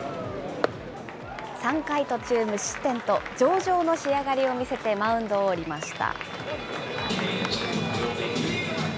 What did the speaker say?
３回途中無失点と、上々の仕上がりを見せて、マウンドを降りました。